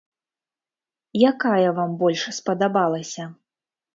Якая вам больш спадабалася?